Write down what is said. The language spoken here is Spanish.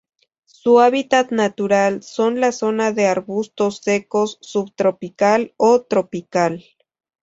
Su hábitat natural son la zona de arbustos secos subtropical o tropical.